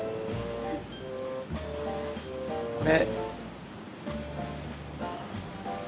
これ。